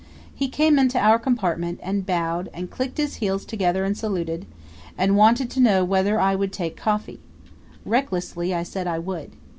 He came into our compartment and bowed and clicked his heels together and saluted, and wanted to know whether I would take coffee. Recklessly I said I would.